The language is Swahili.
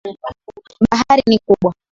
Bahari ni kubwa.